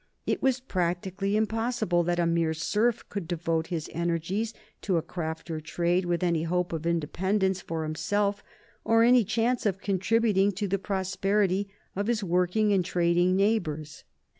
It was practically impossible that a mere serf could devote his energies to a craft or trade with any hope of independence for himself or any chance of contributing to the prosperity of his working and trading neighbors.